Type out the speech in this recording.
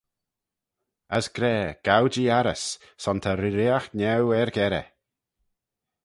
As gra, gow-jee arrys: son ta reeriaght niau er-gerrey.